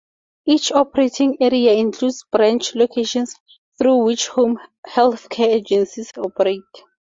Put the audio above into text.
Each operating area includes branch locations, through which home healthcare agencies operate.